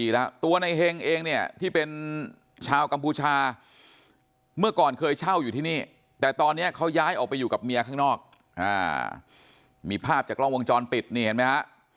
ข้างนอกห้ามีภาพจากล้องวงจรปิดนี่เห็นมั้ย